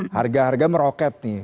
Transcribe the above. harga harga meroket nih